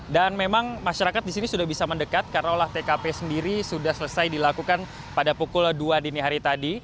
memang masyarakat di sini sudah bisa mendekat karena olah tkp sendiri sudah selesai dilakukan pada pukul dua dini hari tadi